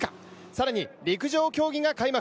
更に陸上競技が開幕。